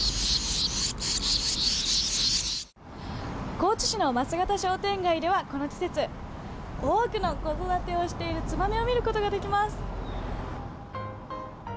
高知市の升形商店街では、この季節、多くの子育てをしているツバメを見ることができます。